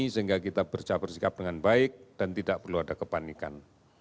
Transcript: sehingga kita bersikap dengan baik dan tidak perlu ada kepanikan